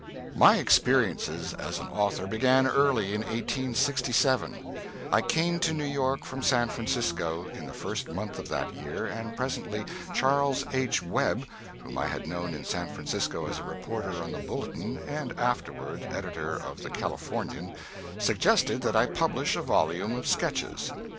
My experiences as an author began early in 1867. I came to New York from San Francisco in the first month of that year and presently Charles H. Webb, whom I had known in San Francisco as a reporter on The Bulletin, and afterward editor of The Californian, suggested that I publish a volume of sketches.